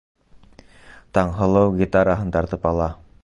Таңһылыу гитараһын тартып ала.